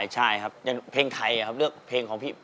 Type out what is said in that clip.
ใช่ครับอย่างเพลงไทยครับเลือกเพลงของพี่